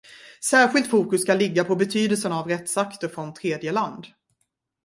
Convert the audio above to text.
Särskilt fokus ska ligga på betydelsen av rättsakter från tredjeland.